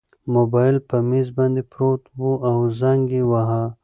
موبایل په مېز باندې پروت و او زنګ یې واهه.